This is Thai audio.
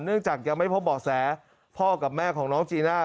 เนื่องจากยังไม่พบบอกแสพ่อกับแม่ของน้องจีน่า